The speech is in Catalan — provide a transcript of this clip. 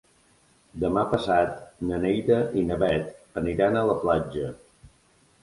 Demà passat na Neida i na Bet aniran a la platja.